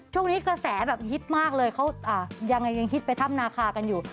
ช่วงนี้กระแสแบบฮิตมากเลยเขายังไงยังฮิตไปถ้ำนาคากันอยู่